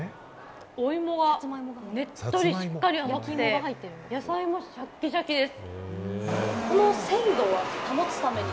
お芋がねっとりしっかり甘くて、野菜もシャキシャキです。